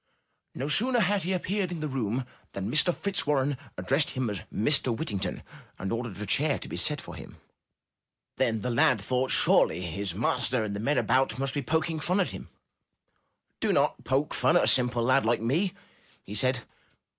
No sooner had he appeared in the room than Mr. Fitzwarren addressed him as Mr. Whittington and 339 M Y BOOK HOUSE ordered a chair to be set for him. Then the lad thought surely his master and the men about must be poking fun at him. ''Do not poke fun at a simple lad like me/' he said.